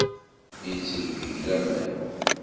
Yetteg deg-k laman.